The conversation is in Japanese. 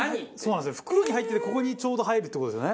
袋に入っててここにちょうど入るって事ですよね。